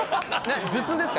頭痛ですか？